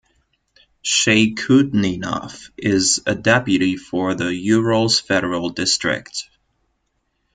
Shaykhutdinov is a deputy for the Urals Federal District.